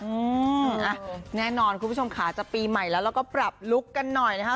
อืมอ่ะแน่นอนคุณผู้ชมขาจะปีใหม่แล้วเราก็ปรับลุคกันหน่อยนะคะ